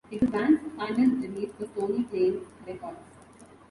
It was the band's final release for Stony Plain Records.